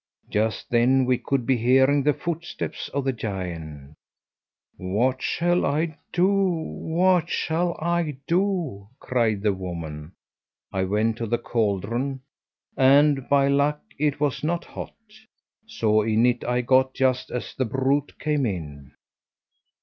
Just then we could be hearing the footsteps of the giant, 'What shall I do? what shall I do?' cried the woman. I went to the caldron, and by luck it was not hot, so in it I got just as the brute came in.